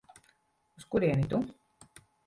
Uz kurieni tu?